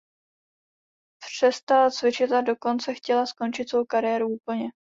Přestala cvičit a dokonce chtěla skončit svou kariéru úplně.